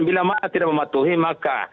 bila tidak mematuhi maka